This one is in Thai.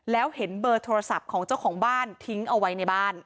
แล้วเห็นเบอร์โทรศัพท์ของเจ้าของบ้านทิ้งเอาไว้ในบ้าน